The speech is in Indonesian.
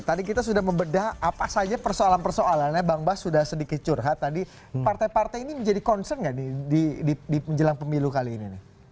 tadi kita sudah membedah apa saja persoalan persoalannya bang bas sudah sedikit curhat tadi partai partai ini menjadi concern nggak nih di menjelang pemilu kali ini